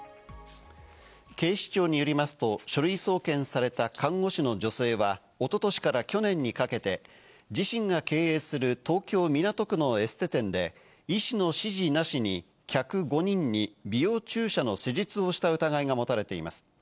警視庁によりますと、書類送検された看護師の女性は、おととしから去年にかけて自身が経営する東京・港区のエステ店で医師の指示なしに１０５人に美容注射の施術をした疑いが持たれています。